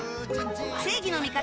正義の味方